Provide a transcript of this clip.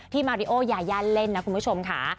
มาริโอยาเล่นนะคุณผู้ชมค่ะ